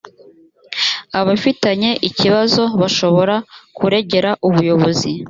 abafitanye ikibazo bashobora kuregera ubuyobozi